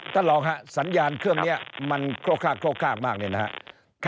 ท่านหลอกครับสัญญาณเครื่องนี้มันโครกฆาตโครกฆาตมากเลยนะครับ